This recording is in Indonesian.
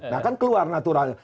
nah kan keluar naturalnya